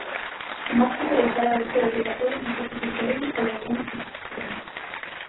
A máscara deixará de ser obrigatoria en espazos interiores salvo algunhas excepcións.